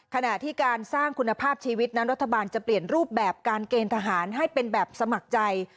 ขณะที่การสร้างคุณภาพชีวิตนั้นรัฐบาลจะเปลี่ยนรูปแบบการเกณฑ์ทหารให้เป็นแบบสมัครใจ